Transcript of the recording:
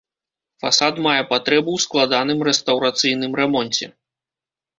Фасад мае патрэбу ў складаным рэстаўрацыйным рамонце.